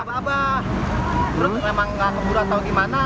menurut saya memang nggak keguna atau gimana